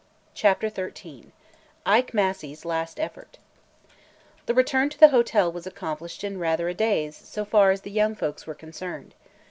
CHAPTER XIII IKE MASSEY'S LAST EFFORT THE return to the hotel was accomplished in rather a daze so far as the young folks were concerned.